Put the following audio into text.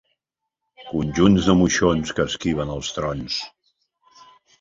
Conjunts de moixons que esquiven els trons.